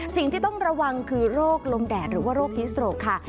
สิ่งที่ต้องระวังคือโรคลมแดดหรือว่าโรคฮิสโตรกค่ะ